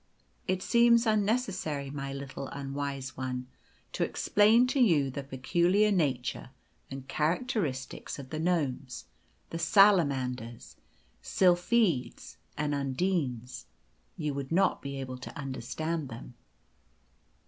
It seems unnecessary, my little unwise one, to explain to you the peculiar nature and characteristics of the gnomes, the salamanders, sylphides, and undines; you would not be able to understand them.